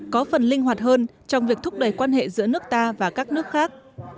có phần linh hoạt hơn trong việc thúc đẩy quan hệ giữa nước ta và các nước khác